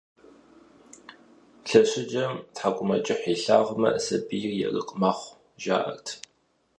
Лъэщыджэм тхьэкӀумэкӀыхь илъагъумэ, сабийр ерыкъ мэхъу, жаӀэрт.